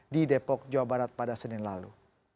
di depok jawa barat pada senin lalu